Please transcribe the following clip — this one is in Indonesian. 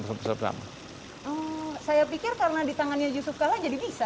saya pikir karena di tangannya yusuf kalla jadi bisa